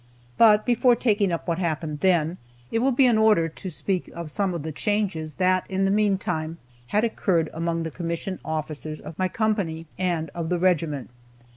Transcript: But before taking up what happened then, it will be in order to speak of some of the changes that in the meantime had occurred among the commissioned officers of my company and of the regiment.